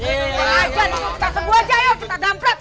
kita sebuah aja ayo kita gampret